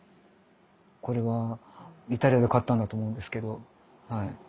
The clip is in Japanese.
これはイタリアで買ったんだと思うんですけどはい。